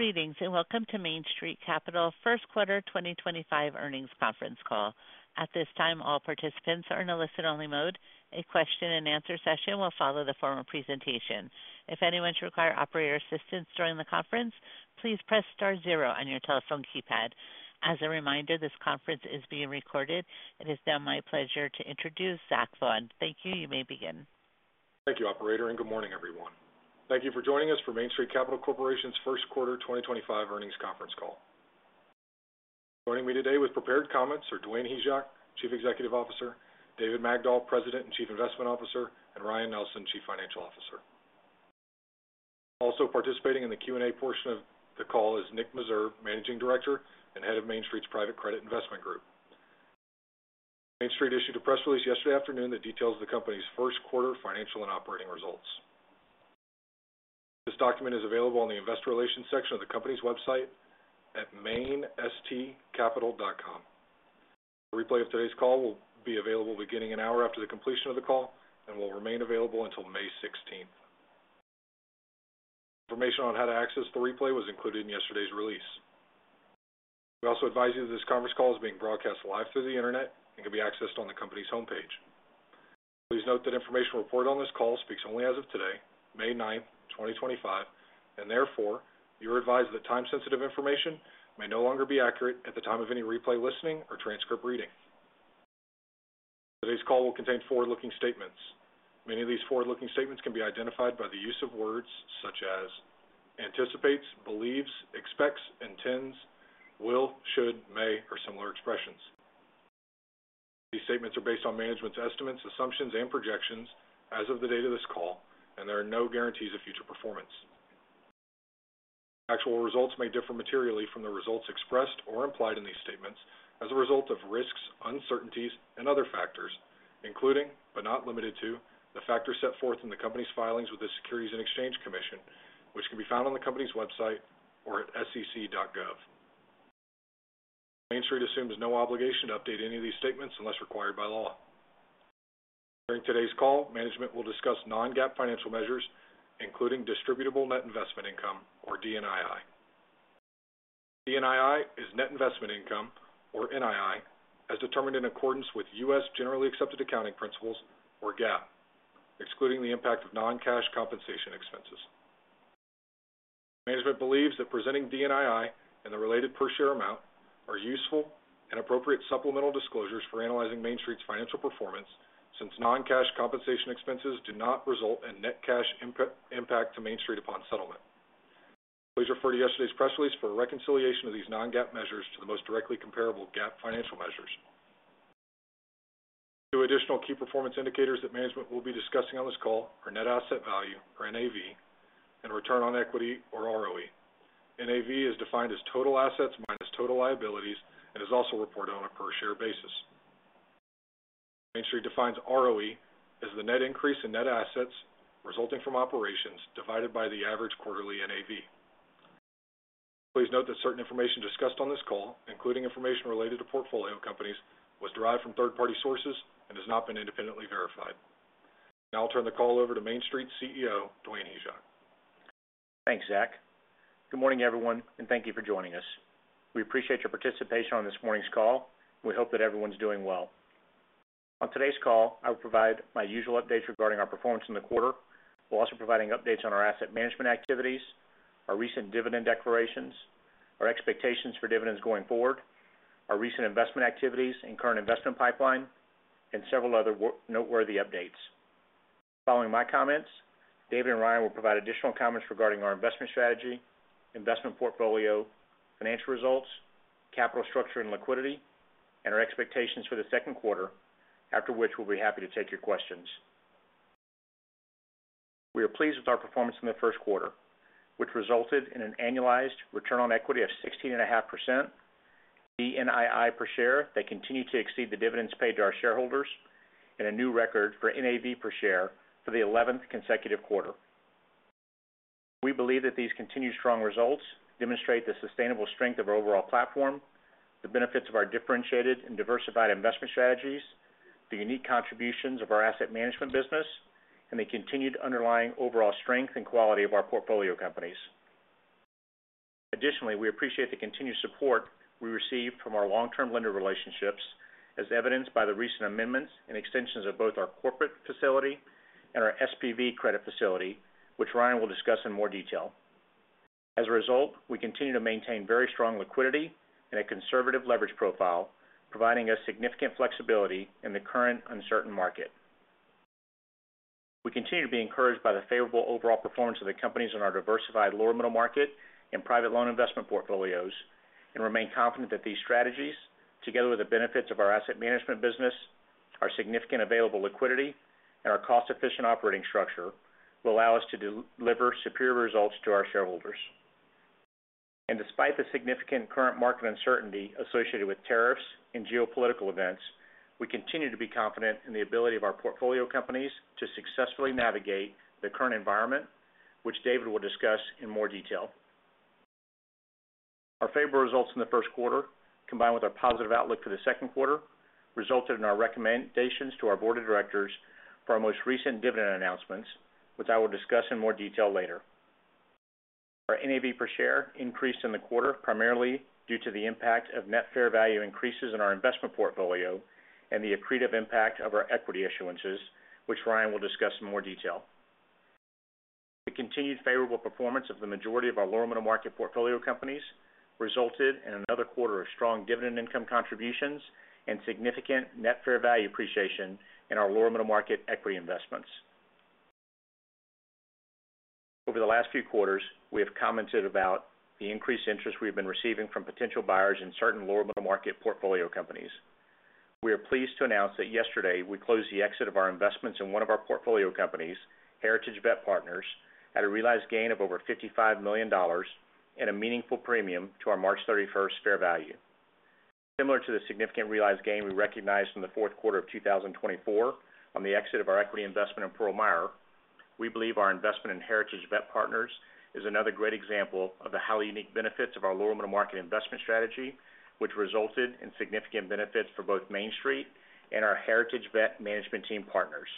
Greetings and welcome to Main Street Capital first quarter 2025 earnings conference call. At this time, all participants are in a listen-only mode. A question-and-answer session will follow the formal presentation. If anyone should require operator assistance during the conference, please press star zero on your telephone keypad. As a reminder, this conference is being recorded. It is now my pleasure to introduce Zach Vaughan. Thank you. You may begin. Thank you, Operator, and good morning, everyone. Thank you for joining us for Main Street Capital Corporation's First Quarter 2025 earnings conference call. Joining me today with prepared comments are Dwayne Hyzak, Chief Executive Officer; David Magdol, President and Chief Investment Officer; and Ryan Nelson, Chief Financial Officer. Also participating in the Q&A portion of the call is Nick Meserve, Managing Director and Head of Main Street's Private Credit Investment Group. Main Street issued a press release yesterday afternoon that details the company's first quarter financial and operating results. This document is available in the investor relations section of the company's website at mainstcapital.com. The replay of today's call will be available beginning an hour after the completion of the call and will remain available until May 16th. Information on how to access the replay was included in yesterday's release. We also advise you that this conference call is being broadcast live through the internet and can be accessed on the company's homepage. Please note that information reported on this call speaks only as of today, May 9th, 2025, and therefore you are advised that time-sensitive information may no longer be accurate at the time of any replay listening or transcript reading. Today's call will contain forward-looking statements. Many of these forward-looking statements can be identified by the use of words such as anticipates, believes, expects, intends, will, should, may, or similar expressions. These statements are based on management's estimates, assumptions, and projections as of the date of this call, and there are no guarantees of future performance. Actual results may differ materially from the results expressed or implied in these statements as a result of risks, uncertainties, and other factors, including, but not limited to, the factors set forth in the company's filings with the Securities and Exchange Commission, which can be found on the company's website or at sec.gov. Main Street assumes no obligation to update any of these statements unless required by law. During today's call, management will discuss non-GAAP financial measures, including Distributable Net Investment Income, or DNII. DNII is net investment income, or NII, as determined in accordance with U.S. Generally Accepted Accounting Principles, or GAAP, excluding the impact of non-cash compensation expenses. Management believes that presenting DNII and the related per-share amount are useful and appropriate supplemental disclosures for analyzing Main Street's financial performance since non-cash compensation expenses do not result in net cash impact to Main Street upon settlement. Please refer to yesterday's press release for a reconciliation of these non-GAAP measures to the most directly comparable GAAP financial measures. Two additional key performance indicators that management will be discussing on this call are Net Asset Value, or NAV, and return on equity, or ROE. NAV is defined as total assets minus total liabilities and is also reported on a per-share basis. Main Street defines ROE as the net increase in net assets resulting from operations divided by the average quarterly NAV. Please note that certain information discussed on this call, including information related to portfolio companies, was derived from third-party sources and has not been independently verified. Now I'll turn the call over to Main Street CEO, Dwayne Hyzak. Thanks, Zach. Good morning, everyone, and thank you for joining us. We appreciate your participation on this morning's call, and we hope that everyone's doing well. On today's call, I will provide my usual updates regarding our performance in the quarter. We'll also be providing updates on our asset management activities, our recent dividend declarations, our expectations for dividends going forward, our recent investment activities and current investment pipeline, and several other noteworthy updates. Following my comments, David and Ryan will provide additional comments regarding our investment strategy, investment portfolio, financial results, capital structure and liquidity, and our expectations for the second quarter, after which we'll be happy to take your questions. We are pleased with our performance in the first quarter, which resulted in an annualized return on equity of 16.5%, DNII per share that continued to exceed the dividends paid to our shareholders, and a new record for NAV per share for the 11th consecutive quarter. We believe that these continued strong results demonstrate the sustainable strength of our overall platform, the benefits of our differentiated and diversified investment strategies, the unique contributions of our asset management business, and the continued underlying overall strength and quality of our portfolio companies. Additionally, we appreciate the continued support we received from our long-term lender relationships, as evidenced by the recent amendments and extensions of both our corporate facility and our SPV Credit Facility, which Ryan will discuss in more detail. As a result, we continue to maintain very strong liquidity and a conservative leverage profile, providing us significant flexibility in the current uncertain market. We continue to be encouraged by the favorable overall performance of the companies in our diversified lower-middle market and private loan investment portfolios and remain confident that these strategies, together with the benefits of our asset management business, our significant available liquidity, and our cost-efficient operating structure, will allow us to deliver superior results to our shareholders. Despite the significant current market uncertainty associated with tariffs and geopolitical events, we continue to be confident in the ability of our portfolio companies to successfully navigate the current environment, which David will discuss in more detail. Our favorable results in the first quarter, combined with our positive outlook for the second quarter, resulted in our recommendations to our board of directors for our most recent dividend announcements, which I will discuss in more detail later. Our NAV per share increased in the quarter primarily due to the impact of net fair value increases in our investment portfolio and the accretive impact of our equity issuances, which Ryan will discuss in more detail. The continued favorable performance of the majority of our lower-middle market portfolio companies resulted in another quarter of strong dividend income contributions and significant net fair value appreciation in our lower-middle market equity investments. Over the last few quarters, we have commented about the increased interest we have been receiving from potential buyers in certain lower-middle market portfolio companies. We are pleased to announce that yesterday we closed the exit of our investments in one of our portfolio companies, Heritage VetPartners, at a realized gain of over $55 million and a meaningful premium to our March 31 fair value. Similar to the significant realized gain we recognized in the fourth quarter of 2024 on the exit of our equity investment in Pearl Meyer, we believe our investment in Heritage VetPartners is another great example of the highly unique benefits of our lower-middle market investment strategy, which resulted in significant benefits for both Main Street and our Heritage VetPartners Management Team partners.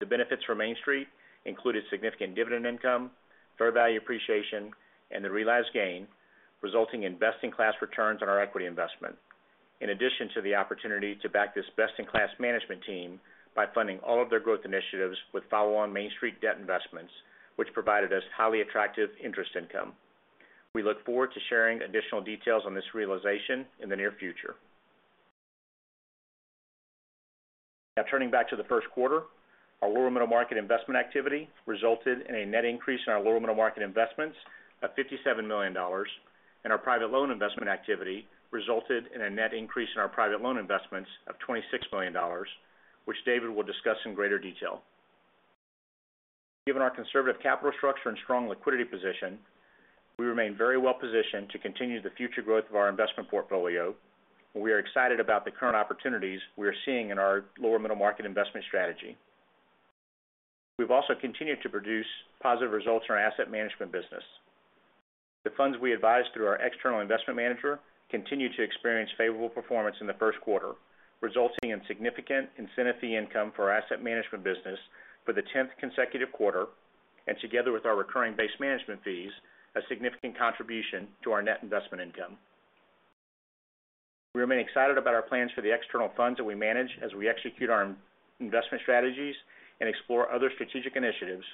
The benefits for Main Street included significant dividend income, fair value appreciation, and the realized gain, resulting in best-in-class returns on our equity investment, in addition to the opportunity to back this best-in-class management team by funding all of their growth initiatives with follow-on Main Street debt investments, which provided us highly attractive interest income. We look forward to sharing additional details on this realization in the near future. Now, turning back to the first quarter, our lower-middle market investment activity resulted in a net increase in our lower-middle market investments of $57 million, and our private loan investment activity resulted in a net increase in our private loan investments of $26 million, which David will discuss in greater detail. Given our conservative capital structure and strong liquidity position, we remain very well positioned to continue the future growth of our investment portfolio, and we are excited about the current opportunities we are seeing in our lower-middle market investment strategy. We've also continued to produce positive results in our asset management business. The funds we advised through our External Investment Manager continue to experience favorable performance in the first quarter, resulting in significant incentive fee income for our asset management business for the 10th consecutive quarter, and together with our recurring base management fees, a significant contribution to our net investment income. We remain excited about our plans for the external funds that we manage as we execute our investment strategies and explore other strategic initiatives,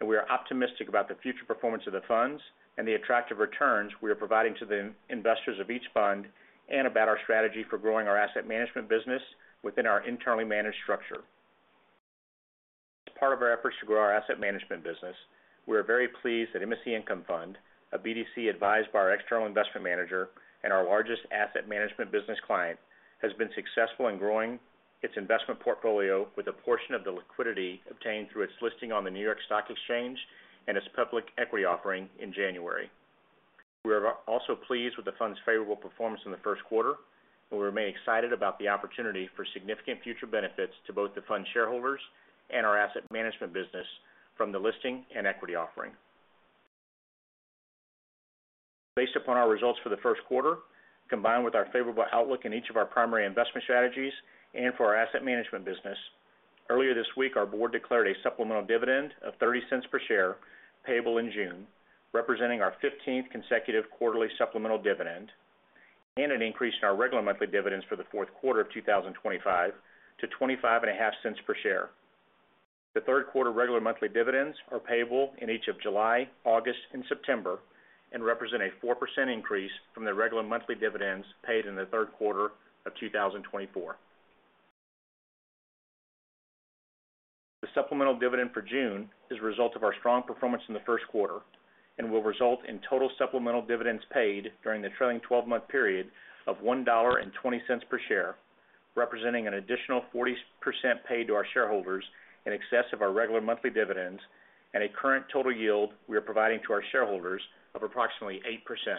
and we are optimistic about the future performance of the funds and the attractive returns we are providing to the investors of each fund and about our strategy for growing our asset management business within our internally managed structure. As part of our efforts to grow our asset management business, we are very pleased that MSC Income Fund, a BDC advised by our External Investment Manager and our largest asset management business client, has been successful in growing its investment portfolio with a portion of the liquidity obtained through its listing on the New York Stock Exchange and its public equity offering in January. We are also pleased with the fund's favorable performance in the first quarter, and we remain excited about the opportunity for significant future benefits to both the fund's shareholders and our asset management business from the listing and equity offering. Based upon our results for the first quarter, combined with our favorable outlook in each of our primary investment strategies and for our asset management business, earlier this week, our board declared a supplemental dividend of $0.30 per share payable in June, representing our 15th consecutive quarterly supplemental dividend, and an increase in our regular monthly dividends for the fourth quarter of 2025 to $0.255 per share. The third quarter regular monthly dividends are payable in each of July, August, and September and represent a 4% increase from the regular monthly dividends paid in the third quarter of 2024. The supplemental dividend for June is a result of our strong performance in the first quarter and will result in total supplemental dividends paid during the trailing 12-month period of $1.20 per share, representing an additional 40% paid to our shareholders in excess of our regular monthly dividends and a current total yield we are providing to our shareholders of approximately 8%.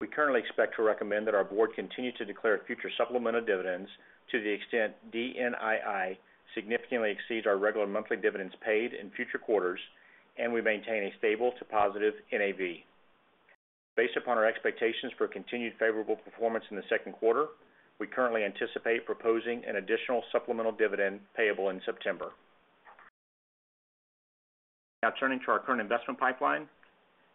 We currently expect to recommend that our board continue to declare future supplemental dividends to the extent DNII significantly exceeds our regular monthly dividends paid in future quarters, and we maintain a stable to positive NAV. Based upon our expectations for continued favorable performance in the second quarter, we currently anticipate proposing an additional supplemental dividend payable in September. Now, turning to our current investment pipeline,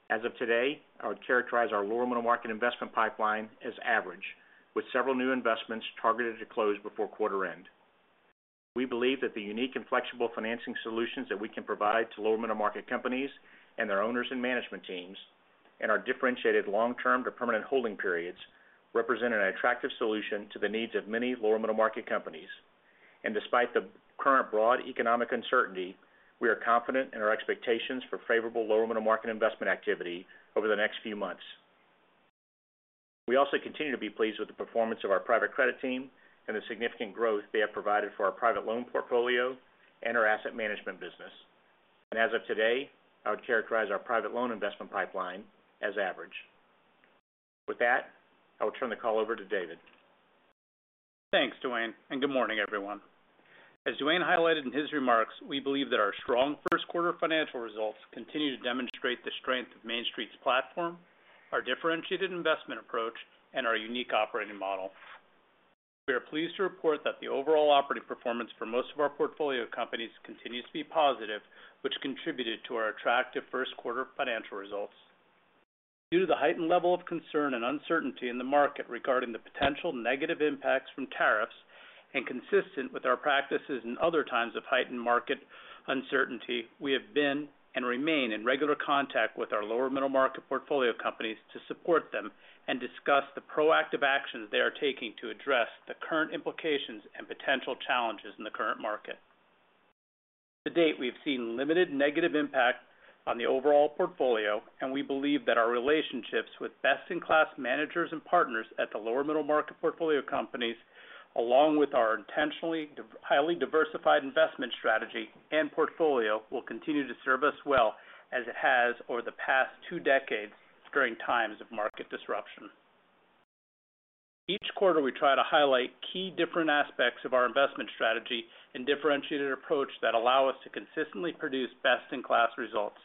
as of today, we characterize our lower-middle market investment pipeline as average, with several new investments targeted to close before quarter end. We believe that the unique and flexible financing solutions that we can provide to lower-middle market companies and their owners and management teams and our differentiated long-term to permanent holding periods represent an attractive solution to the needs of many lower-middle market companies. Despite the current broad economic uncertainty, we are confident in our expectations for favorable lower-middle market investment activity over the next few months. We also continue to be pleased with the performance of our private credit team and the significant growth they have provided for our private loan portfolio and our asset management business. As of today, I would characterize our private loan investment pipeline as average. With that, I will turn the call over to David. Thanks, Dwayne, and good morning, everyone. As Dwayne highlighted in his remarks, we believe that our strong first-quarter financial results continue to demonstrate the strength of Main Street's platform, our differentiated investment approach, and our unique operating model. We are pleased to report that the overall operating performance for most of our portfolio companies continues to be positive, which contributed to our attractive first-quarter financial results. Due to the heightened level of concern and uncertainty in the market regarding the potential negative impacts from tariffs and consistent with our practices in other times of heightened market uncertainty, we have been and remain in regular contact with our lower-middle market portfolio companies to support them and discuss the proactive actions they are taking to address the current implications and potential challenges in the current market. To date, we have seen limited negative impact on the overall portfolio, and we believe that our relationships with best-in-class managers and partners at the lower-middle market portfolio companies, along with our intentionally highly diversified investment strategy and portfolio, will continue to serve us well as it has over the past two decades during times of market disruption. Each quarter, we try to highlight key different aspects of our investment strategy and differentiated approach that allow us to consistently produce best-in-class results.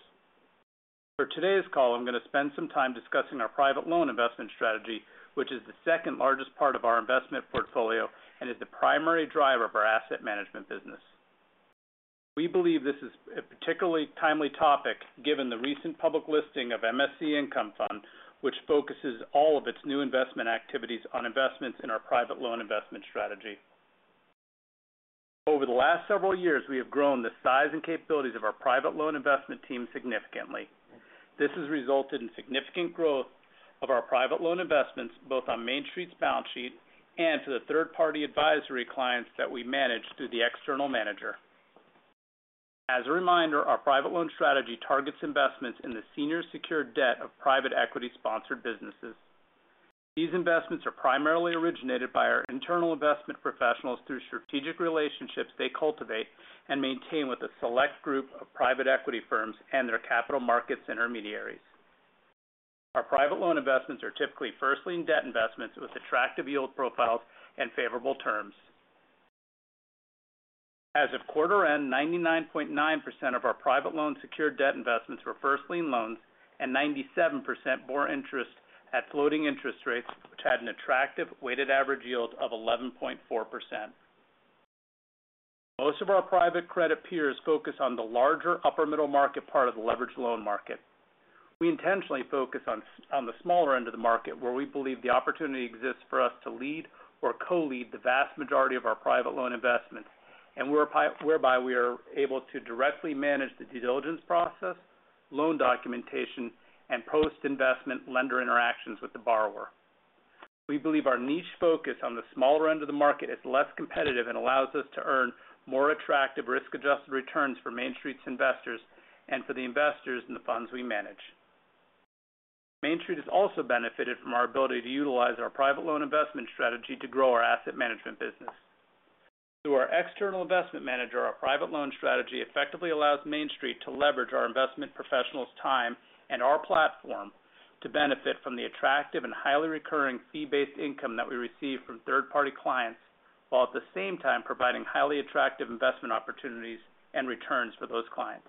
For today's call, I'm going to spend some time discussing our private loan investment strategy, which is the second largest part of our investment portfolio and is the primary driver of our asset management business. We believe this is a particularly timely topic given the recent public listing of MSC Income Fund, which focuses all of its new investment activities on investments in our private loan investment strategy. Over the last several years, we have grown the size and capabilities of our private loan investment team significantly. This has resulted in significant growth of our private loan investments, both on Main Street's balance sheet and to the third-party advisory clients that we manage through the external manager. As a reminder, our private loan strategy targets investments in the Senior Secured Debt of private equity-sponsored businesses. These investments are primarily originated by our internal investment professionals through strategic relationships they cultivate and maintain with a select group of private equity firms and their capital markets intermediaries. Our private loan investments are typically first-lien debt investments with attractive yield profiles and favorable terms. As of quarter end, 99.9% of our private loan secured debt investments were first-lien loans and 97% bore interest at floating-interest rates, which had an attractive weighted average yield of 11.4%. Most of our private credit peers focus on the larger upper-middle market part of the leveraged loan market. We intentionally focus on the smaller end of the market where we believe the opportunity exists for us to lead or co-lead the vast majority of our private loan investments, and whereby we are able to directly manage the due diligence process, loan documentation, and post-investment lender interactions with the borrower. We believe our niche focus on the smaller end of the market is less competitive and allows us to earn more attractive risk-adjusted returns for Main Street's investors and for the investors in the funds we manage. Main Street has also benefited from our ability to utilize our private loan investment strategy to grow our asset management business. Through our External Investment Manager, our private loan strategy effectively allows Main Street to leverage our investment professionals' time and our platform to benefit from the attractive and highly recurring fee-based income that we receive from third-party clients, while at the same time providing highly attractive investment opportunities and returns for those clients.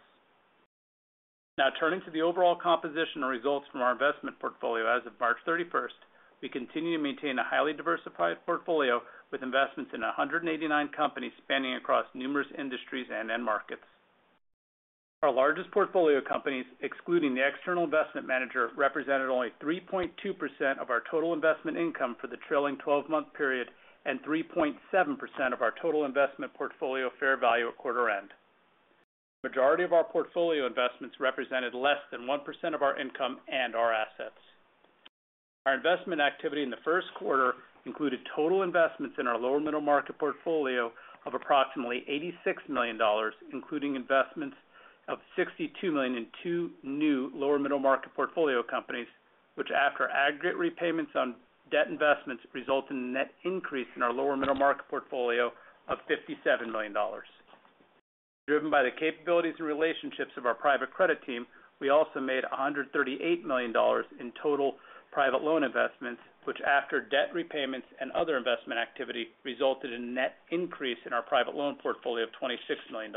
Now, turning to the overall composition and results from our investment portfolio as of March 31, we continue to maintain a highly diversified portfolio with investments in 189 companies spanning across numerous industries and markets. Our largest portfolio companies, excluding the External Investment Manager, represented only 3.2% of our total investment income for the trailing 12-month period and 3.7% of our total investment portfolio fair value at quarter end. The majority of our portfolio investments represented less than 1% of our income and our assets. Our investment activity in the first quarter included total investments in our lower-middle market portfolio of approximately $86 million, including investments of $62 million in two new lower-middle market portfolio companies, which, after aggregate repayments on debt investments, resulted in a net increase in our lower-middle market portfolio of $57 million. Driven by the capabilities and relationships of our private credit team, we also made $138 million in total private loan investments, which, after debt repayments and other investment activity, resulted in a net increase in our private loan portfolio of $26 million.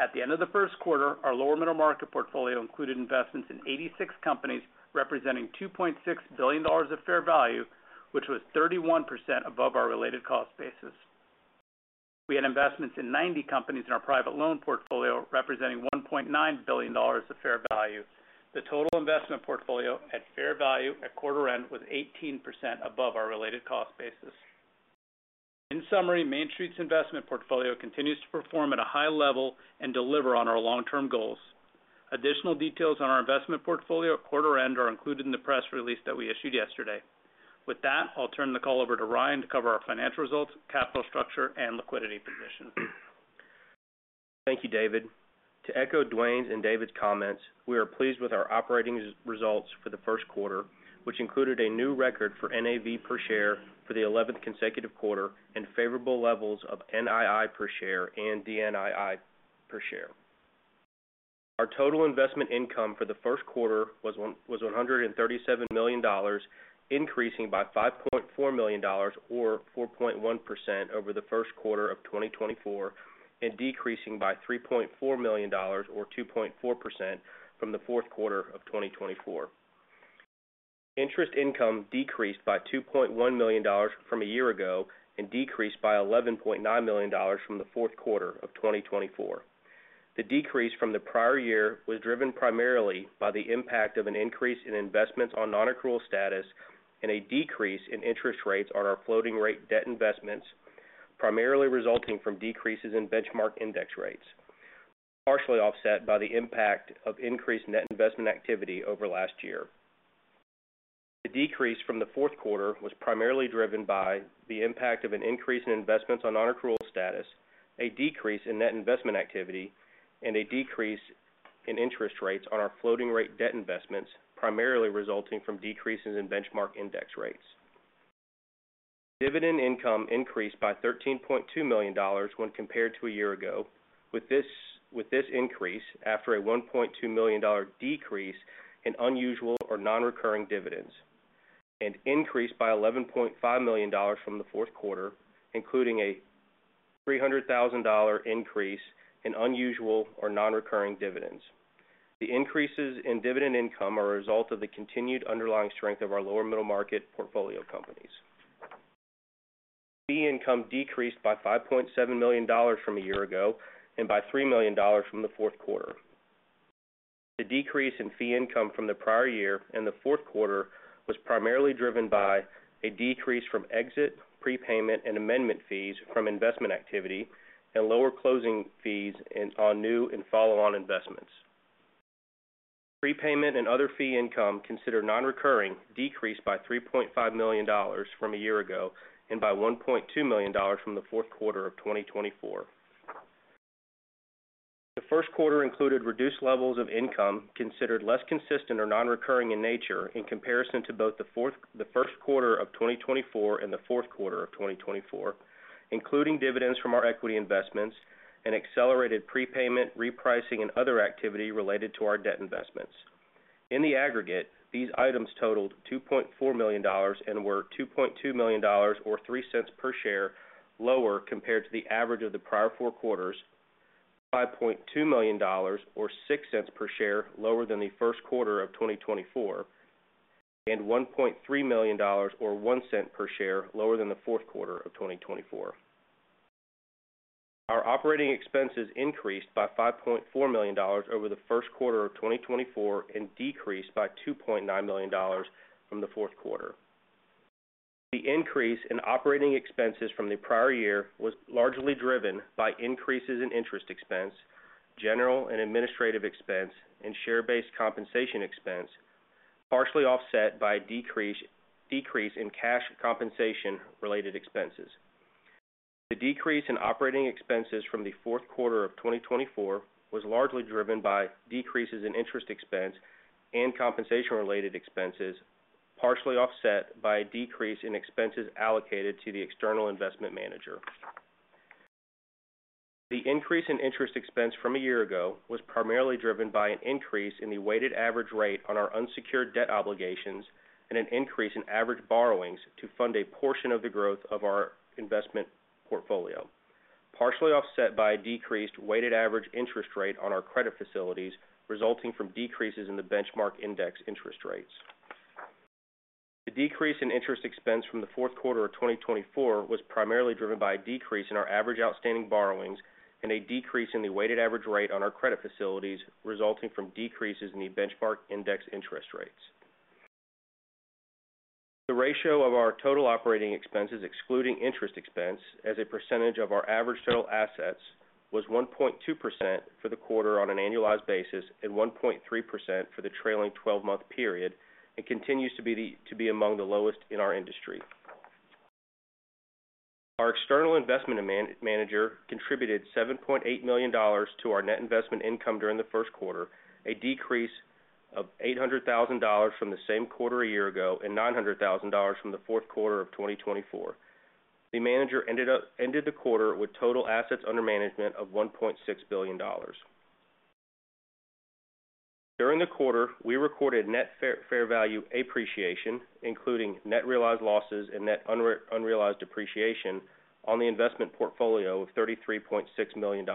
At the end of the first quarter, our lower-middle market portfolio included investments in 86 companies representing $2.6 billion of fair value, which was 31% above our related cost basis. We had investments in 90 companies in our private loan portfolio representing $1.9 billion of fair value. The total investment portfolio at fair value at quarter end was 18% above our related cost basis. In summary, Main Street's investment portfolio continues to perform at a high level and deliver on our long-term goals. Additional details on our investment portfolio at quarter end are included in the press release that we issued yesterday. With that, I'll turn the call over to Ryan to cover our financial results, capital structure, and liquidity position. Thank you, David. To echo Dwayne's and David's comments, we are pleased with our operating results for the first quarter, which included a new record for NAV per share for the 11th consecutive quarter and favorable levels of NII per share and DNII per share. Our total investment income for the first quarter was $137 million, increasing by $5.4 million, or 4.1%, over the first quarter of 2024 and decreasing by $3.4 million, or 2.4%, from the fourth quarter of 2024. Interest income decreased by $2.1 million from a year ago and decreased by $11.9 million from the fourth quarter of 2024. The decrease from the prior year was driven primarily by the impact of an increase in investments on non-accrual status and a decrease in interest rates on our floating-rate debt investments, primarily resulting from decreases in benchmark index rates, partially offset by the impact of increased net investment activity over last year. The decrease from the fourth quarter was primarily driven by the impact of an increase in investments on non-accrual status, a decrease in net investment activity, and a decrease in interest rates on our floating-rate debt investments, primarily resulting from decreases in benchmark index rates. Dividend income increased by $13.2 million when compared to a year ago, with this increase after a $1.2 million decrease in unusual or non-recurring dividends and increased by $11.5 million from the fourth quarter, including a $300,000 increase in unusual or non-recurring dividends. The increases in dividend income are a result of the continued underlying strength of our lower-middle market portfolio companies. Fee income decreased by $5.7 million from a year ago and by $3 million from the fourth quarter. The decrease in fee income from the prior year and the fourth quarter was primarily driven by a decrease from exit, prepayment, and amendment fees from investment activity and lower closing fees on new and follow-on investments. Prepayment and other fee income considered non-recurring decreased by $3.5 million from a year ago and by $1.2 million from the fourth quarter of 2024. The first quarter included reduced levels of income considered less consistent or non-recurring in nature in comparison to both the first quarter of 2024 and the fourth quarter of 2024, including dividends from our equity investments and accelerated prepayment, repricing, and other activity related to our debt investments. In the aggregate, these items totaled $2.4 million and were $2.2 million, or $0.03 per share, lower compared to the average of the prior four quarters, $5.2 million, or $0.06 per share, lower than the first quarter of 2024, and $1.3 million, or $0.01 per share, lower than the fourth quarter of 2024. Our operating expenses increased by $5.4 million over the first quarter of 2024 and decreased by $2.9 million from the fourth quarter. The increase in operating expenses from the prior year was largely driven by increases in interest expense, general and administrative expense, and share-based compensation expense, partially offset by a decrease in cash compensation-related expenses. The decrease in operating expenses from the fourth quarter of 2024 was largely driven by decreases in interest expense and compensation-related expenses, partially offset by a decrease in expenses allocated to the External Investment Manager. The increase in interest expense from a year ago was primarily driven by an increase in the weighted average rate on our unsecured debt obligations and an increase in average borrowings to fund a portion of the growth of our investment portfolio, partially offset by a decreased weighted average interest rate on our credit facilities, resulting from decreases in the benchmark index interest rates. The decrease in interest expense from the fourth quarter of 2024 was primarily driven by a decrease in our average outstanding borrowings and a decrease in the weighted average rate on our credit facilities, resulting from decreases in the benchmark index interest rates. The ratio of our total operating expenses, excluding interest expense, as a percentage of our average total assets was 1.2% for the quarter on an annualized basis and 1.3% for the trailing 12-month period and continues to be among the lowest in our industry. Our External Investment Manager contributed $7.8 million to our net investment income during the first quarter, a decrease of $800,000 from the same quarter a year ago and $900,000 from the fourth quarter of 2024. The manager ended the quarter with total assets under management of $1.6 billion. During the quarter, we recorded net fair value appreciation, including net realized losses and net unrealized depreciation on the investment portfolio of $33.6 million.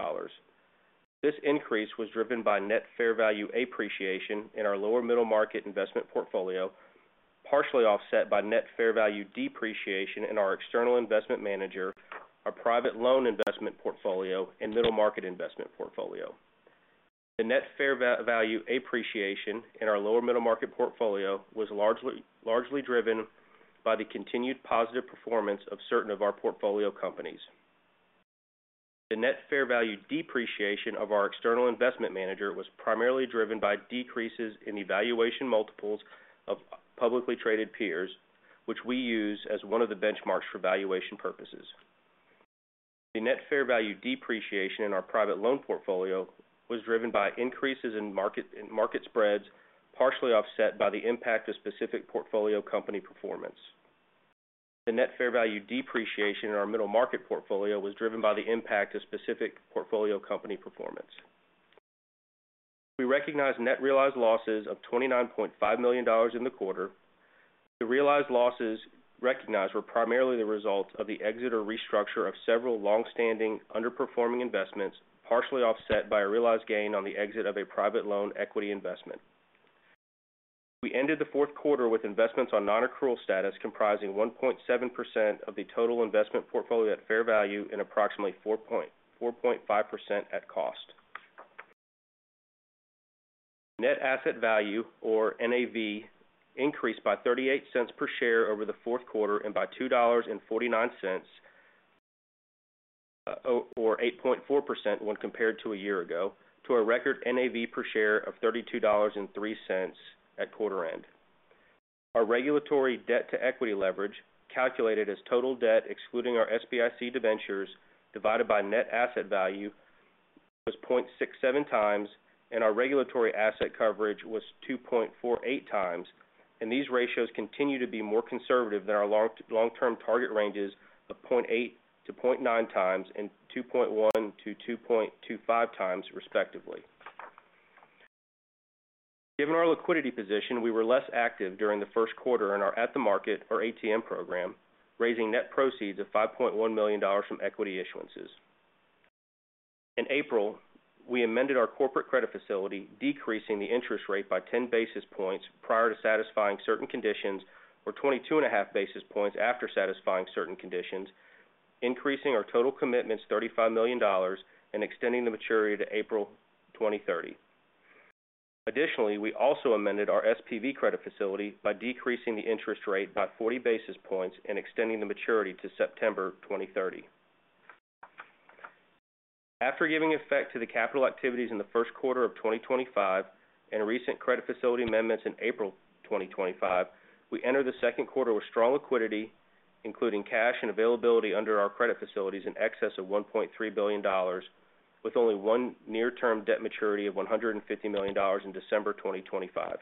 This increase was driven by net fair value appreciation in our lower-middle market investment portfolio, partially offset by net fair value depreciation in our External Investment Manager, our private loan investment portfolio, and middle market investment portfolio. The net fair value appreciation in our lower-middle market portfolio was largely driven by the continued positive performance of certain of our portfolio companies. The net fair value depreciation of our External Investment Manager was primarily driven by decreases in the valuation multiples of publicly traded peers, which we use as one of the benchmarks for valuation purposes. The net fair value depreciation in our private loan portfolio was driven by increases in market spreads, partially offset by the impact of specific portfolio company performance. The net fair value depreciation in our middle market portfolio was driven by the impact of specific portfolio company performance. We recognized net realized losses of $29.5 million in the quarter. The realized losses recognized were primarily the result of the exit or restructure of several long-standing underperforming investments, partially offset by a realized gain on the exit of a private loan equity investment. We ended the fourth quarter with investments on non-accrual status comprising 1.7% of the total investment portfolio at fair value and approximately 4.5% at cost. Net asset value, or NAV, increased by $0.38 per share over the fourth quarter and by $2.49, or 8.4% when compared to a year ago, to a record NAV per share of $32.03 at quarter end. Our regulatory debt-to-equity leverage, calculated as total debt excluding our SBIC debentures, divided by Net Asset Value, was 0.67 times, and our regulatory asset coverage was 2.48 times. These ratios continue to be more conservative than our long-term target ranges of 0.8-0.9 times and 2.1-2.25 times, respectively. Given our liquidity position, we were less active during the first quarter in our at-the-market, or ATM, program, raising net proceeds of $5.1 million from equity issuances. In April, we amended our corporate credit facility, decreasing the interest rate by 10 basis points prior to satisfying certain conditions, or 22.5 basis points after satisfying certain conditions, increasing our total commitments $35 million and extending the maturity to April 2030. Additionally, we also amended our SPV Credit Facility by decreasing the interest rate by 40 basis points and extending the maturity to September 2030. After giving effect to the capital activities in the first quarter of 2025 and recent credit facility amendments in April 2025, we entered the second quarter with strong liquidity, including cash and availability under our credit facilities in excess of $1.3 billion, with only one near-term debt maturity of $150 million in December 2025.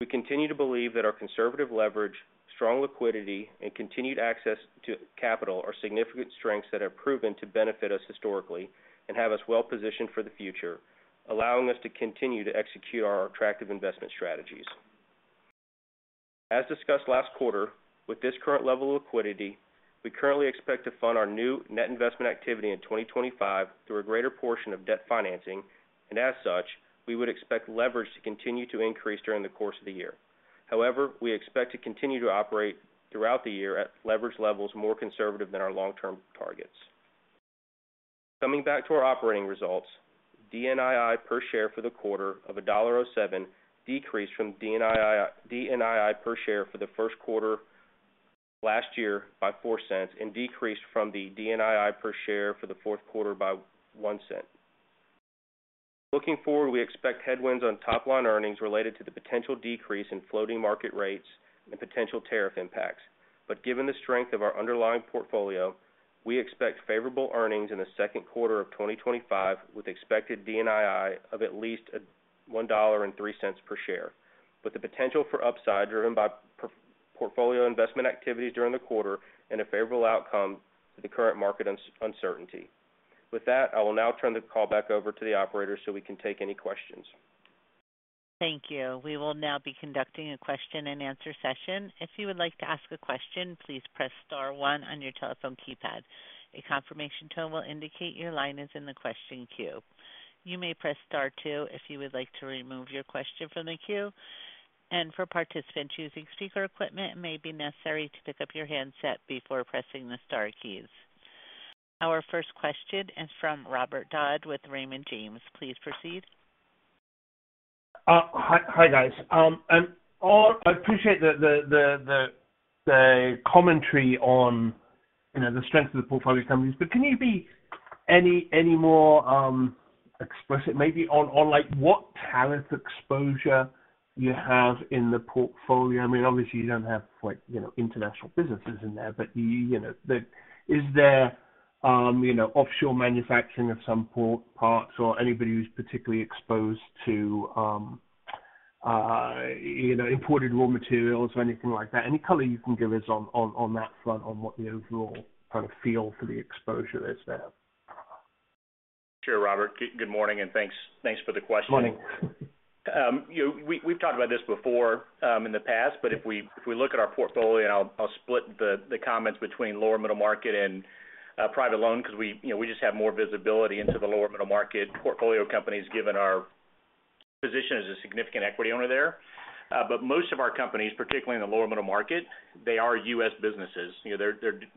We continue to believe that our conservative leverage, strong liquidity, and continued access to capital are significant strengths that have proven to benefit us historically and have us well-positioned for the future, allowing us to continue to execute our attractive investment strategies. As discussed last quarter, with this current level of liquidity, we currently expect to fund our new net investment activity in 2025 through a greater portion of debt financing, and as such, we would expect leverage to continue to increase during the course of the year. However, we expect to continue to operate throughout the year at leverage levels more conservative than our long-term targets. Coming back to our operating results, DNII per share for the quarter of $1.07 decreased from DNII per share for the first quarter last year by 4 cents and decreased from the DNII per share for the fourth quarter by 1 cent. Looking forward, we expect headwinds on top-line earnings related to the potential decrease in floating market rates and potential tariff impacts. Given the strength of our underlying portfolio, we expect favorable earnings in the second quarter of 2025 with expected DNII of at least $1.03 per share, with the potential for upside driven by portfolio investment activities during the quarter and a favorable outcome to the current market uncertainty. With that, I will now turn the call back over to the operators so we can take any questions. Thank you. We will now be conducting a question-and-answer session. If you would like to ask a question, please press Star one on your telephone keypad. A confirmation tone will indicate your line is in the question queue. You may press Star two if you would like to remove your question from the queue. For participants using speaker equipment, it may be necessary to pick up your handset before pressing the Star keys. Our first question is from Robert Dodd with Raymond James. Please proceed. Hi, guys. I appreciate the commentary on the strength of the portfolio companies, but can you be any more explicit maybe on what tariff exposure you have in the portfolio? I mean, obviously, you do not have international businesses in there, but is there offshore manufacturing of some parts or anybody who is particularly exposed to imported raw materials or anything like that? Any color you can give us on that front on what the overall kind of feel for the exposure is there. Sure, Robert. Good morning, and thanks for the question. Good morning. We've talked about this before in the past, but if we look at our portfolio, and I'll split the comments between lower-middle market and private loan because we just have more visibility into the lower-middle market portfolio companies given our position as a significant equity owner there. Most of our companies, particularly in the lower-middle market, they are U.S. businesses.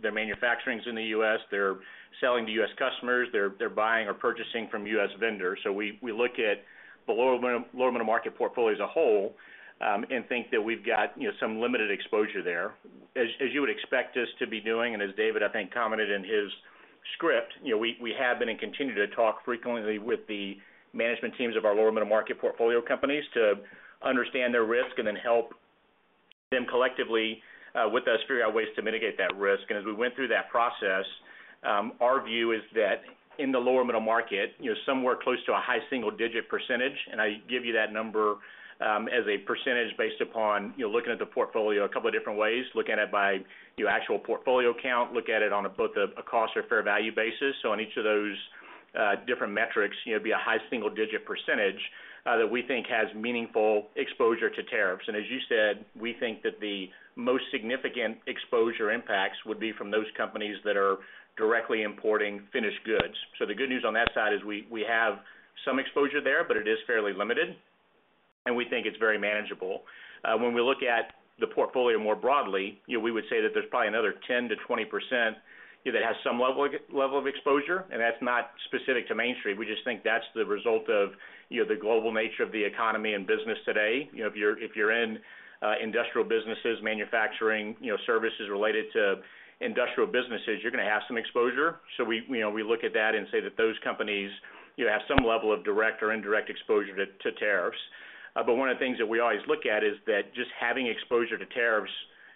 They're manufacturing in the U.S. They're selling to U.S. customers. They're buying or purchasing from U.S. vendors. We look at the lower-middle market portfolio as a whole and think that we've got some limited exposure there. As you would expect us to be doing, and as David, I think, commented in his script, we have been and continue to talk frequently with the management teams of our lower-middle market portfolio companies to understand their risk and then help them collectively with us figure out ways to mitigate that risk. As we went through that process, our view is that in the lower-middle market, somewhere close to a high single-digit %, and I give you that number as a % based upon looking at the portfolio a couple of different ways, looking at it by actual portfolio count, looking at it on both a cost or fair value basis. On each of those different metrics, it would be a high single-digit % that we think has meaningful exposure to tariffs. As you said, we think that the most significant exposure impacts would be from those companies that are directly importing finished goods. The good news on that side is we have some exposure there, but it is fairly limited, and we think it's very manageable. When we look at the portfolio more broadly, we would say that there's probably another 10-20% that has some level of exposure, and that's not specific to Main Street. We just think that's the result of the global nature of the economy and business today. If you're in industrial businesses, manufacturing, services related to industrial businesses, you're going to have some exposure. We look at that and say that those companies have some level of direct or indirect exposure to tariffs. One of the things that we always look at is that just having exposure to tariffs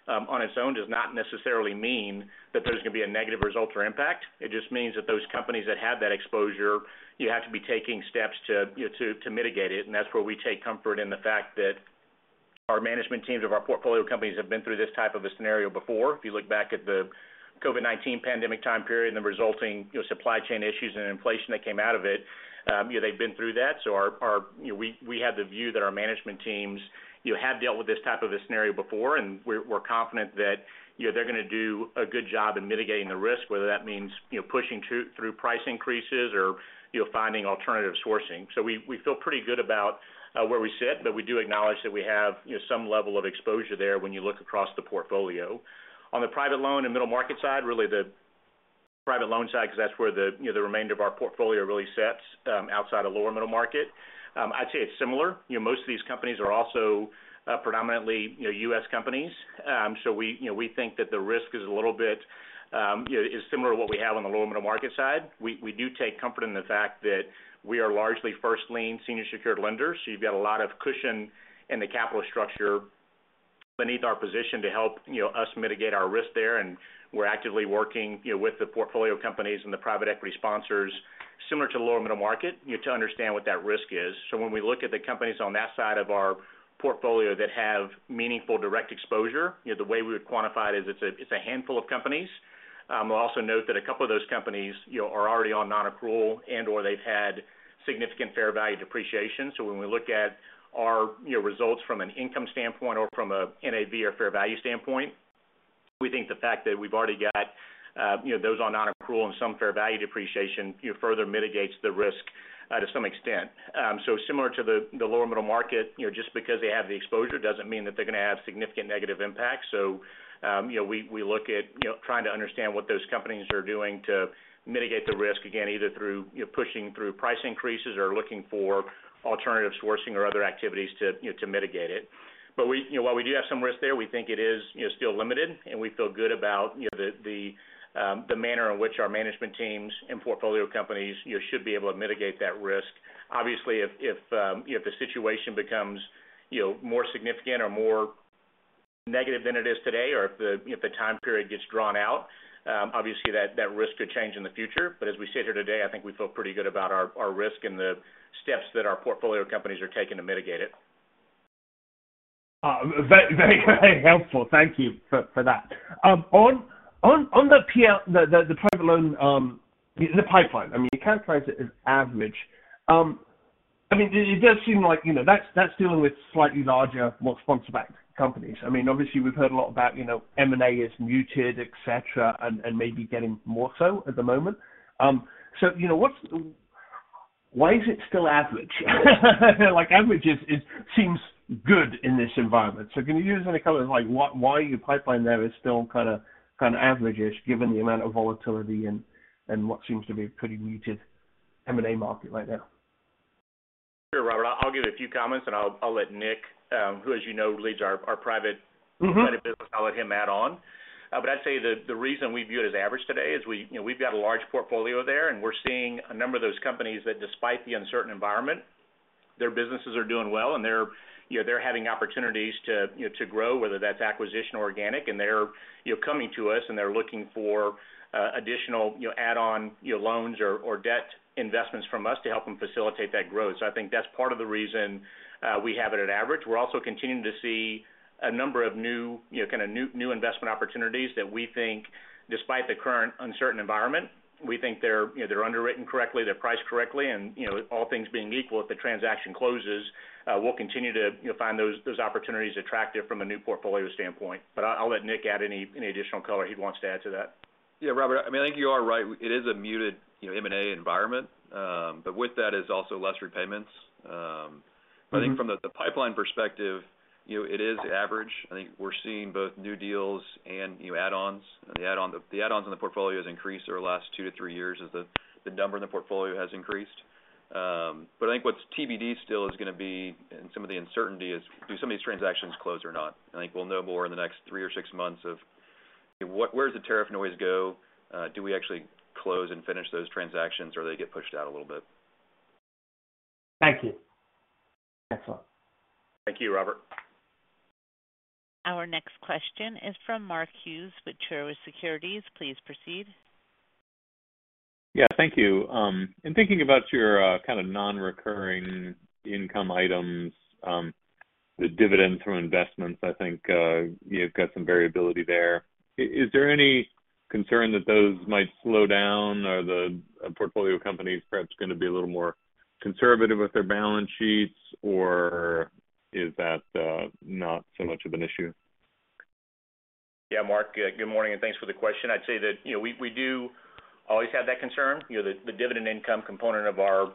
on its own does not necessarily mean that there's going to be a negative result or impact. It just means that those companies that have that exposure, you have to be taking steps to mitigate it. That's where we take comfort in the fact that our management teams of our portfolio companies have been through this type of a scenario before. If you look back at the COVID-19 pandemic time period and the resulting supply chain issues and inflation that came out of it, they've been through that. We have the view that our management teams have dealt with this type of a scenario before, and we're confident that they're going to do a good job in mitigating the risk, whether that means pushing through price increases or finding alternative sourcing. We feel pretty good about where we sit, but we do acknowledge that we have some level of exposure there when you look across the portfolio. On the private loan and middle market side, really the private loan side because that's where the remainder of our portfolio really sits outside of lower-middle market. I'd say it's similar. Most of these companies are also predominantly U.S. companies. We think that the risk is a little bit similar to what we have on the lower-middle market side. We do take comfort in the fact that we are largely first-lien, senior-secured lenders. You have a lot of cushion in the capital structure beneath our position to help us mitigate our risk there. We are actively working with the portfolio companies and the private equity sponsors, similar to the lower-middle market, to understand what that risk is. When we look at the companies on that side of our portfolio that have meaningful direct exposure, the way we would quantify it is it's a handful of companies. We'll also note that a couple of those companies are already on non-accrual and/or they've had significant fair value depreciation. When we look at our results from an income standpoint or from an NAV or fair value standpoint, we think the fact that we've already got those on non-accrual and some fair value depreciation further mitigates the risk to some extent. Similar to the lower-middle market, just because they have the exposure doesn't mean that they're going to have significant negative impacts. We look at trying to understand what those companies are doing to mitigate the risk, again, either through pushing through price increases or looking for alternative sourcing or other activities to mitigate it. While we do have some risk there, we think it is still limited, and we feel good about the manner in which our management teams and portfolio companies should be able to mitigate that risk. Obviously, if the situation becomes more significant or more negative than it is today, or if the time period gets drawn out, that risk could change in the future. As we sit here today, I think we feel pretty good about our risk and the steps that our portfolio companies are taking to mitigate it. Very, very helpful. Thank you for that. On the private loan in the pipeline, I mean, you characterize it as average. It does seem like that is dealing with slightly larger, more sponsor-backed companies. Obviously, we have heard a lot about M&As, muted, etc., and maybe getting more so at the moment. Why is it still average? Average seems good in this environment. Can you give us any color of why your pipeline there is still kind of average-ish given the amount of volatility and what seems to be a pretty muted M&A market right now? Sure, Robert. I'll give a few comments, and I'll let Nick, who, as you know, leads our private credit business, add on. I'd say the reason we view it as average today is we've got a large portfolio there, and we're seeing a number of those companies that, despite the uncertain environment, their businesses are doing well, and they're having opportunities to grow, whether that's acquisition or organic. They're coming to us, and they're looking for additional add-on loans or debt investments from us to help them facilitate that growth. I think that's part of the reason we have it at average. We're also continuing to see a number of kind of new investment opportunities that we think, despite the current uncertain environment, we think they're underwritten correctly, they're priced correctly. All things being equal, if the transaction closes, we'll continue to find those opportunities attractive from a new portfolio standpoint. I'll let Nick add any additional color he wants to add to that. Yeah, Robert, I mean, I think you are right. It is a muted M&A environment, but with that is also less repayments. I think from the pipeline perspective, it is average. I think we're seeing both new deals and add-ons. The add-ons in the portfolio have increased over the last two to three years as the number in the portfolio has increased. I think what's TBD still is going to be in some of the uncertainty is do some of these transactions close or not. I think we'll know more in the next three or six months of where does the tariff noise go? Do we actually close and finish those transactions, or do they get pushed out a little bit? Thank you. Excellent. Thank you, Robert. Our next question is from Mark Hughes with Truist Securities. Please proceed. Yeah, thank you. In thinking about your kind of non-recurring income items, the dividends from investments, I think you've got some variability there. Is there any concern that those might slow down, or are the portfolio companies perhaps going to be a little more conservative with their balance sheets, or is that not so much of an issue? Yeah, Mark, good morning, and thanks for the question. I'd say that we do always have that concern. The dividend income component of our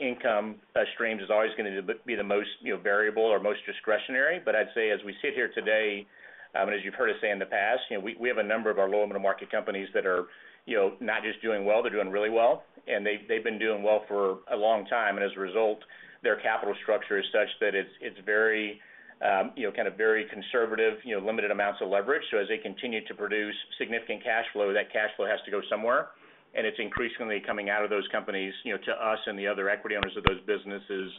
income streams is always going to be the most variable or most discretionary. I'd say as we sit here today, and as you've heard us say in the past, we have a number of our lower-middle market companies that are not just doing well; they're doing really well. They've been doing well for a long time. As a result, their capital structure is such that it's kind of very conservative, limited amounts of leverage. As they continue to produce significant cash flow, that cash flow has to go somewhere. It's increasingly coming out of those companies to us and the other equity owners of those businesses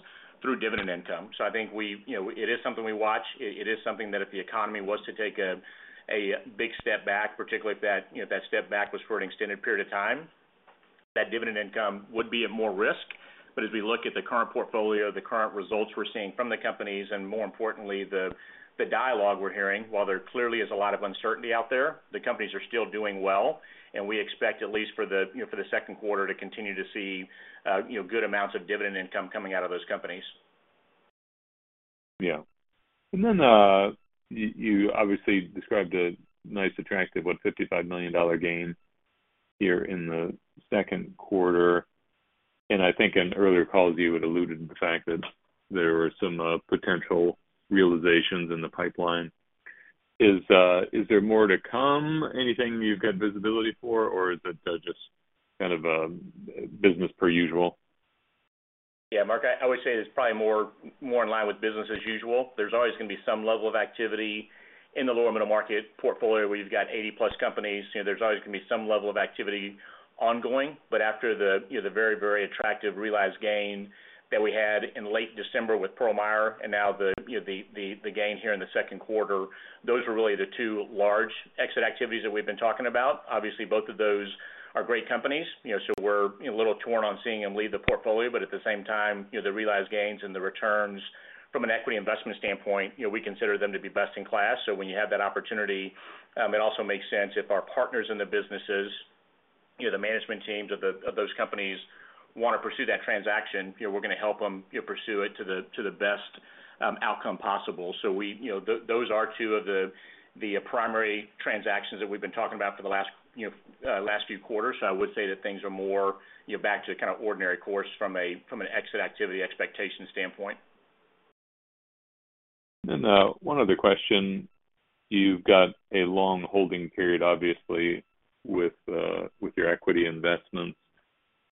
through dividend income. I think it is something we watch. It is something that if the economy was to take a big step back, particularly if that step back was for an extended period of time, that dividend income would be at more risk. As we look at the current portfolio, the current results we're seeing from the companies, and more importantly, the dialogue we're hearing, while there clearly is a lot of uncertainty out there, the companies are still doing well. We expect at least for the second quarter to continue to see good amounts of dividend income coming out of those companies. Yeah. You obviously described a nice, attractive $55 million gain here in the second quarter. I think in earlier calls, you had alluded to the fact that there were some potential realizations in the pipeline. Is there more to come? Anything you've got visibility for, or is it just kind of business per usual? Yeah, Mark, I would say it's probably more in line with business as usual. There's always going to be some level of activity in the lower-middle market portfolio where you've got 80-plus companies. There's always going to be some level of activity ongoing. After the very, very attractive realized gain that we had in late December with Pearl Meyer and now the gain here in the second quarter, those were really the two large exit activities that we've been talking about. Obviously, both of those are great companies. We're a little torn on seeing them leave the portfolio. At the same time, the realized gains and the returns from an equity investment standpoint, we consider them to be best in class. When you have that opportunity, it also makes sense if our partners in the businesses, the management teams of those companies want to pursue that transaction, we're going to help them pursue it to the best outcome possible. Those are two of the primary transactions that we've been talking about for the last few quarters. I would say that things are more back to kind of ordinary course from an exit activity expectation standpoint. One other question. You've got a long holding period, obviously, with your equity investments.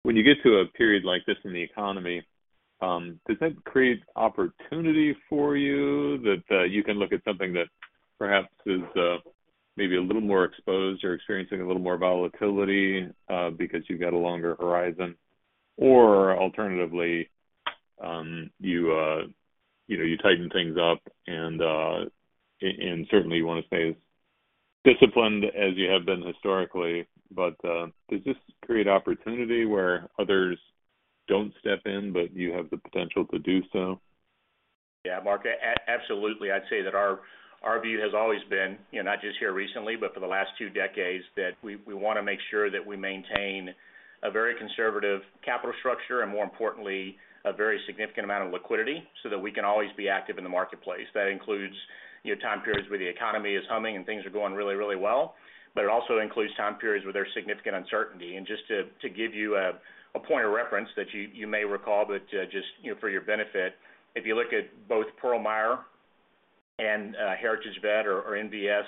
When you get to a period like this in the economy, does that create opportunity for you that you can look at something that perhaps is maybe a little more exposed or experiencing a little more volatility because you've got a longer horizon? Alternatively, you tighten things up, and certainly you want to stay as disciplined as you have been historically. Does this create opportunity where others do not step in, but you have the potential to do so? Yeah, Mark, absolutely. I would say that our view has always been, not just here recently, but for the last two decades, that we want to make sure that we maintain a very conservative capital structure and, more importantly, a very significant amount of liquidity so that we can always be active in the marketplace. That includes time periods where the economy is humming and things are going really, really well. It also includes time periods where there is significant uncertainty. Just to give you a point of reference that you may recall, but just for your benefit, if you look at both Pearl Meyer and Heritage VetPartners or NVS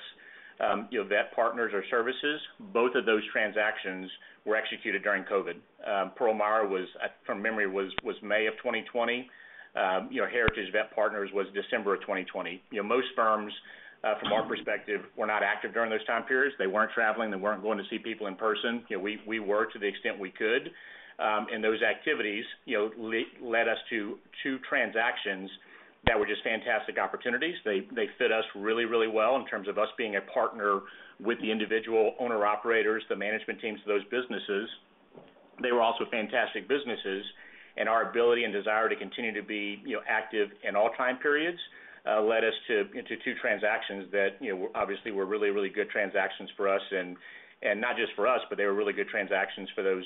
VetPartners or Services, both of those transactions were executed during COVID. Pearl Meyer, from memory, was May of 2020. Heritage VetPartners was December of 2020. Most firms, from our perspective, were not active during those time periods. They were not traveling. They were not going to see people in person. We were to the extent we could. Those activities led us to two transactions that were just fantastic opportunities. They fit us really, really well in terms of us being a partner with the individual owner-operators, the management teams of those businesses. They were also fantastic businesses. Our ability and desire to continue to be active in all time periods led us to two transactions that obviously were really, really good transactions for us. Not just for us, but they were really good transactions for those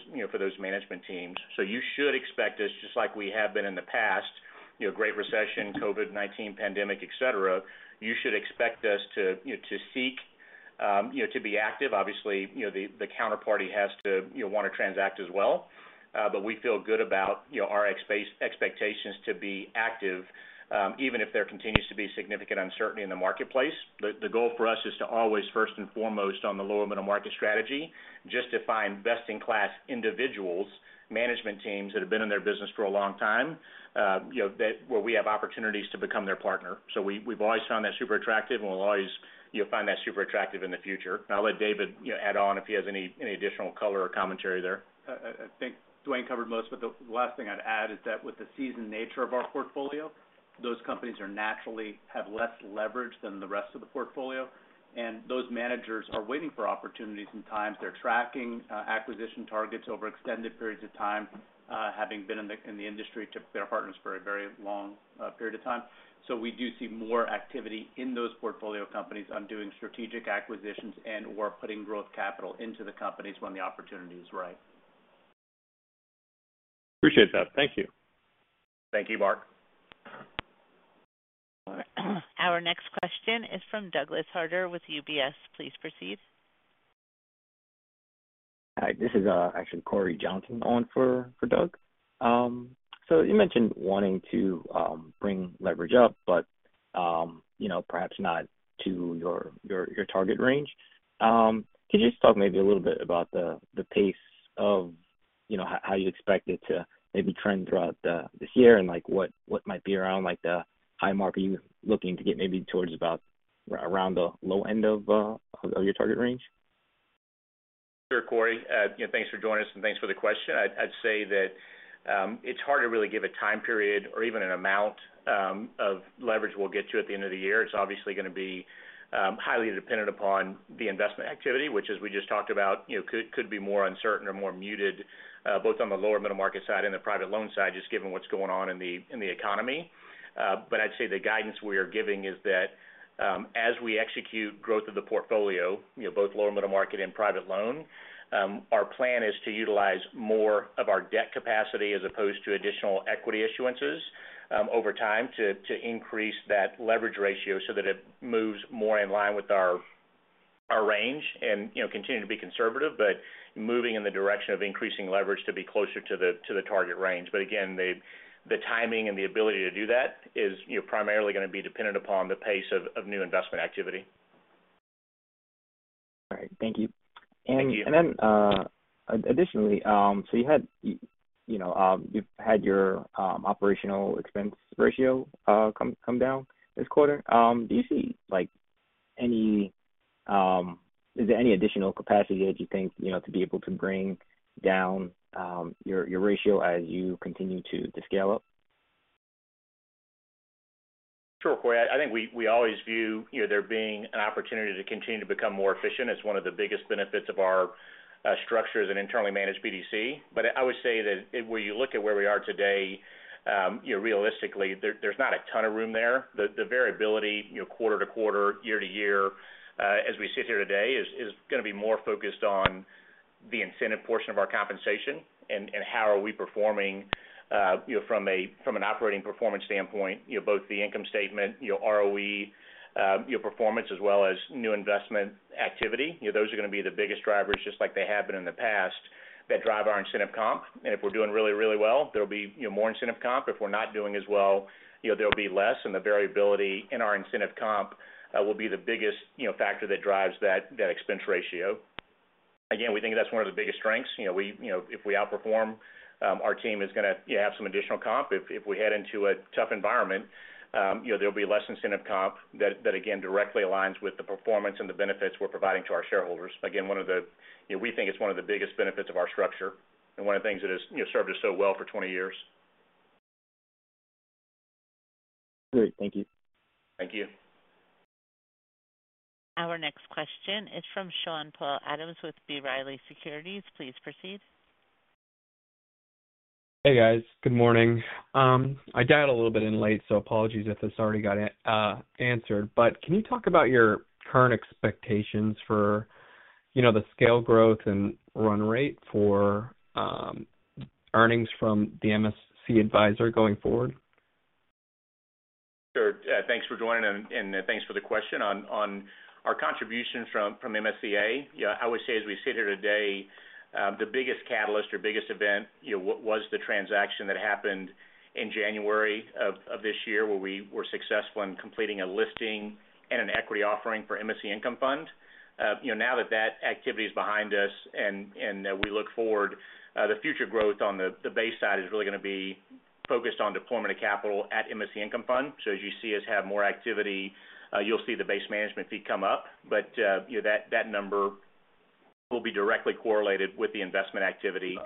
management teams. You should expect us, just like we have been in the past, great recession, COVID-19 pandemic, etc., you should expect us to seek to be active. Obviously, the counterparty has to want to transact as well. We feel good about our expectations to be active, even if there continues to be significant uncertainty in the marketplace. The goal for us is to always, first and foremost, on the lower-middle market strategy, just to find best-in-class individuals, management teams that have been in their business for a long time, where we have opportunities to become their partner. We've always found that super attractive, and we'll always find that super attractive in the future. I'll let David add on if he has any additional color or commentary there. I think Dwayne covered most, but the last thing I'd add is that with the seasoned nature of our portfolio, those companies naturally have less leverage than the rest of the portfolio. Those managers are waiting for opportunities and times. They're tracking acquisition targets over extended periods of time, having been in the industry to their partners for a very long period of time. We do see more activity in those portfolio companies on doing strategic acquisitions and/or putting growth capital into the companies when the opportunity is right. Appreciate that. Thank you. Thank you, Mark. Our next question is from Douglas Harter with UBS. Please proceed. Hi. This is actually Corey Johnson on for Douglas. You mentioned wanting to bring leverage up, but perhaps not to your target range. Could you just talk maybe a little bit about the pace of how you expect it to maybe trend throughout this year and what might be around the high mark? Are you looking to get maybe towards around the low end of your target range? Sure, Corey. Thanks for joining us, and thanks for the question. I'd say that it's hard to really give a time period or even an amount of leverage we'll get to at the end of the year. It's obviously going to be highly dependent upon the investment activity, which, as we just talked about, could be more uncertain or more muted, both on the lower-middle market side and the private loan side, just given what's going on in the economy. I'd say the guidance we are giving is that as we execute growth of the portfolio, both lower-middle market and private loan, our plan is to utilize more of our debt capacity as opposed to additional equity issuances over time to increase that leverage ratio so that it moves more in line with our range and continue to be conservative, but moving in the direction of increasing leverage to be closer to the target range. Again, the timing and the ability to do that is primarily going to be dependent upon the pace of new investment activity. All right. Thank you. Additionally, so you've had your operational expense ratio come down this quarter. Do you see any, is there any additional capacity that you think to be able to bring down your ratio as you continue to scale up? Sure, Corey. I think we always view there being an opportunity to continue to become more efficient. It's one of the biggest benefits of our structures and internally managed BDC. I would say that where you look at where we are today, realistically, there's not a ton of room there. The variability, quarter to quarter, year to year, as we sit here today, is going to be more focused on the incentive portion of our compensation and how are we performing from an operating performance standpoint, both the income statement, ROE, performance, as well as new investment activity. Those are going to be the biggest drivers, just like they have been in the past, that drive our incentive comp. If we're doing really, really well, there'll be more incentive comp. If we're not doing as well, there'll be less. The variability in our incentive comp will be the biggest factor that drives that expense ratio. Again, we think that's one of the biggest strengths. If we outperform, our team is going to have some additional comp. If we head into a tough environment, there'll be less incentive comp that, again, directly aligns with the performance and the benefits we're providing to our shareholders. Again, we think it's one of the biggest benefits of our structure and one of the things that has served us so well for 20 years. Great. Thank you. Thank you. Our next question is from Sean Paul Adams with B. Riley Securities. Please proceed. Hey, guys. Good morning. I dialed a little bit in late, so apologies if this already got answered. Can you talk about your current expectations for the scale growth and run rate for earnings from the MSC Adviser going forward? Sure. Thanks for joining, and thanks for the question. On our contributions from MSCI Adviser, I would say as we sit here today, the biggest catalyst or biggest event was the transaction that happened in January of this year where we were successful in completing a listing and an equity offering for MSC Income Fund. Now that that activity is behind us and we look forward, the future growth on the base side is really going to be focused on deployment of capital at MSC Income Fund. As you see us have more activity, you'll see the base management fee come up. That number will be directly correlated with the investment activity.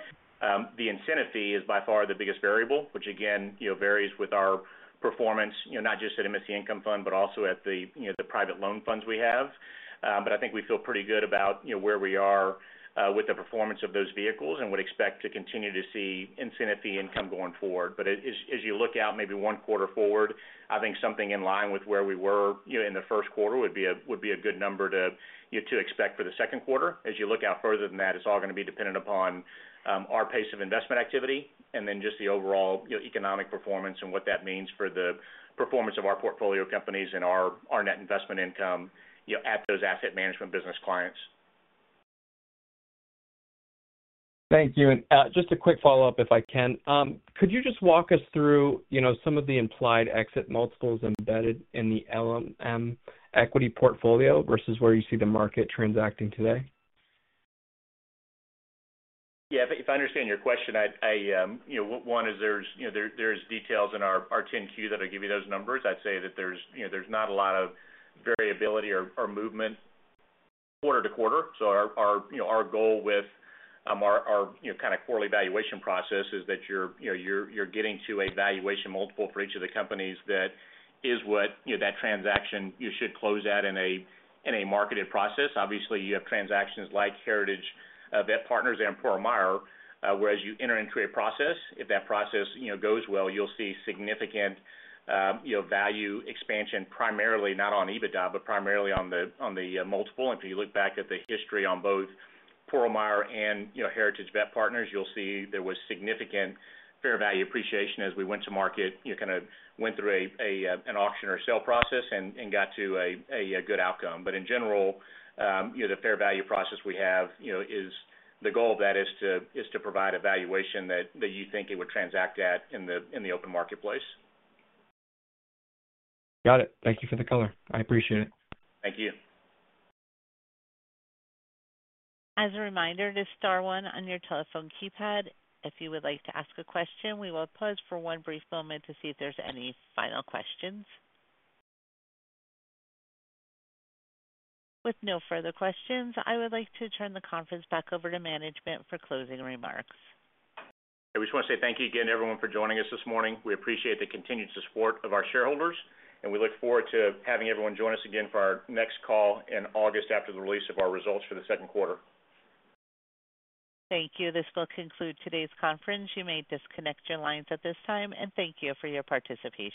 The incentive fee is by far the biggest variable, which, again, varies with our performance, not just at MSC Income Fund, but also at the private loan funds we have. I think we feel pretty good about where we are with the performance of those vehicles and would expect to continue to see incentive fee income going forward. As you look out maybe one quarter forward, I think something in line with where we were in the first quarter would be a good number to expect for the second quarter. As you look out further than that, it is all going to be dependent upon our pace of investment activity and then just the overall economic performance and what that means for the performance of our portfolio companies and our net investment income at those asset management business clients. Thank you. Just a quick follow-up, if I can. Could you just walk us through some of the implied exit multiples embedded in the LMM equity portfolio versus where you see the market transacting today? Yeah. If I understand your question, one, there are details in our 10Q that will give you those numbers. I'd say that there is not a lot of variability or movement quarter to quarter. Our goal with our kind of quarterly valuation process is that you are getting to a valuation multiple for each of the companies that is what that transaction should close at in a marketed process. Obviously, you have transactions like Heritage VetPartners and Pearl Meyer, where as you enter into a process, if that process goes well, you will see significant value expansion, primarily not on EBITDA, but primarily on the multiple. If you look back at the history on both Pearl Meyer and Heritage VetPartners, you'll see there was significant fair value appreciation as we went to market, kind of went through an auction or sale process, and got to a good outcome. In general, the fair value process we have is the goal of that is to provide a valuation that you think it would transact at in the open marketplace. Got it. Thank you for the color. I appreciate it. Thank you. As a reminder, to star one on your telephone keypad, if you would like to ask a question, we will pause for one brief moment to see if there's any final questions. With no further questions, I would like to turn the conference back over to management for closing remarks. I just want to say thank you again, everyone, for joining us this morning. We appreciate the continued support of our shareholders, and we look forward to having everyone join us again for our next call in August after the release of our results for the second quarter. Thank you. This will conclude today's conference. You may disconnect your lines at this time, and thank you for your participation.